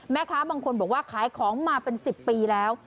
แม่ค้าบางคนบอกว่าขายของมาเป็น๑๐ปีแล้ว